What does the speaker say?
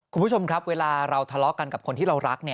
คุณผู้ชมครับเวลาเราทะเลาะกันกับคนที่เรารัก